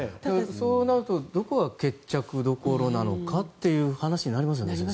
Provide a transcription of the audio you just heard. そうなるとどこが決着どころなのかという話になりますよね。